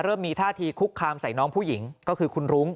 มีท่าทีคุกคามใส่น้องผู้หญิงก็คือคุณรุ้ง